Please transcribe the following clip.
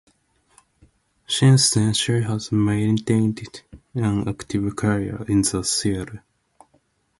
Since then she has maintained an active career in the theatre.